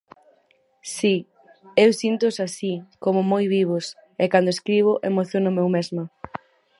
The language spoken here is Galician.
Si, eu síntoos así, como moi vivos, e cando escribo emociónome eu mesma.